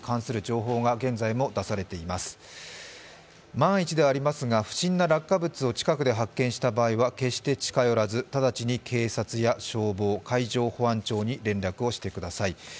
万一ではありますが不審物を発見した場合には決して近寄らず、ただちに警察や消防、海上保安庁に連絡してください